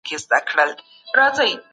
موږ باید د اسلام په ارزښتونو وویاړو.